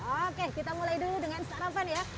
oke kita mulai dulu dengan sarapan ya